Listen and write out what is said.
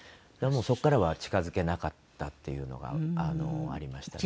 そこからは近付けなかったっていうのがありましたね。